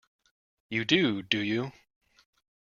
You do, do you?